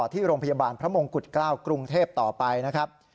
ที่โรงพยาบาลพระมงกุฎเกล้ากรุงเทพต่อไปนะครับ